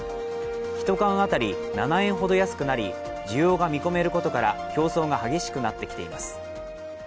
１缶当たり７円ほど安くなり需要が見込めることから競争が激しくなってきています。